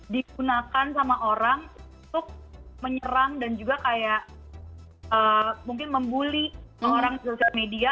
digunakan sama orang untuk menyerang dan juga kayak mungkin membuli orang di sosial media